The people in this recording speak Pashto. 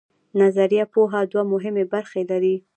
نظري پوهه دوه مهمې برخې لري.